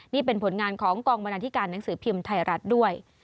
นี่เป็นผลงานของกองบรรณาธิการหนังสือพิมพ์ไทยรัฐด้วย